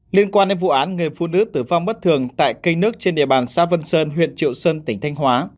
liên quan đến vụ án người phụ nữ tử vong bất thường tại cây nước trên địa bàn xã vân sơn huyện triệu sơn tỉnh thanh hóa